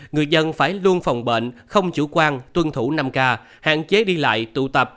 người dân phải luôn phòng bệnh không chủ quan tuân thủ năm k hạn chế đi lại tụ tập